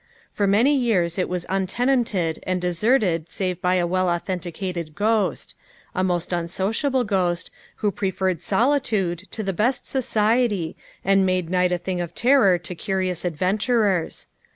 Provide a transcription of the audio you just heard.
For many years it was untenanted and deserted save by a well authenticated ghost a most unsociable ghost, who preferred solitude to the best society and made night a thing of terror to curious adventurers.